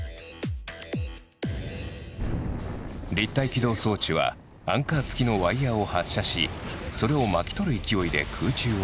立体機動装置はアンカー付きのワイヤーを発射しそれを巻き取る勢いで空中を移動する。